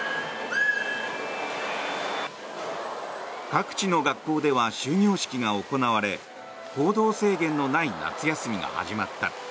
各地の学校では終業式が行われ行動制限のない夏休みが始まった。